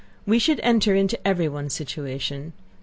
We should enter into everyone's situation.